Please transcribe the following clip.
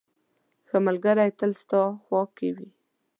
• ښه ملګری تل ستا خوا کې وي.